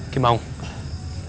kimau lepaskan dia